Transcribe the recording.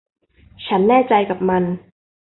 ฉันแน่ใจกับมัน